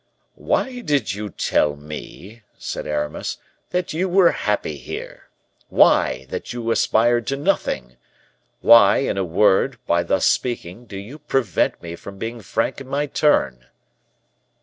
"Why did you tell me," said Aramis, "that you were happy here? Why, that you aspired to nothing? Why, in a word, by thus speaking, do you prevent me from being frank in my turn?"